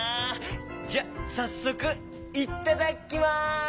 じゃさっそくいっただきます！